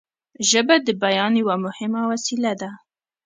ژبه د بیان یوه مهمه وسیله ده